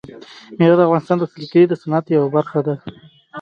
مېوې د افغانستان د سیلګرۍ د صنعت یوه برخه ده.